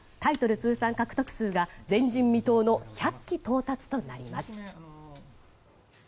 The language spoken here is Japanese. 通算獲得数が前人未到の１００期到達となります。